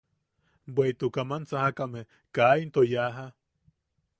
Bweʼituk aman sajakame kaa into yaaja.